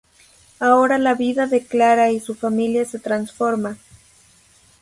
Ahora la vida de "Clara" y su familia se transforma.